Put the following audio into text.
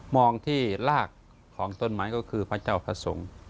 มองที่รากของต้นไม้ก็คือพระเจ้าพระสงฆ์